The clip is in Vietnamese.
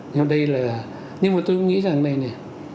nhưng mà tôi nghĩ rằng này nè